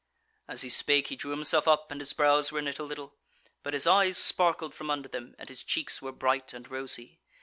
As he spake, he drew himself up, and his brows were knit a little, but his eyes sparkled from under them, and his cheeks were bright and rosy.